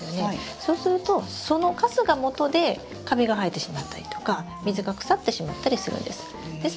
そうするとそのカスがもとでカビが生えてしまったりとか水が腐ってしまったりするんです。